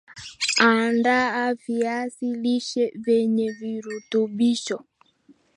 Andaa viazi lishe vyenye virutubisho